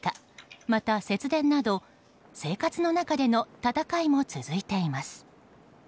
また、節電など生活の中での戦いも続いています。